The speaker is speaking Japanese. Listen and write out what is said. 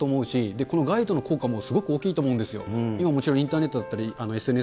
本当に重要だと思うし、このガイドの効果もすごく大きいと思うんですよ。